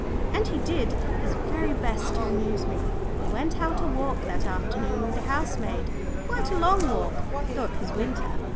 And he did his very best to amuse me. We went out a walk that afternoon with the housemaid quite a long walk, though it was winter.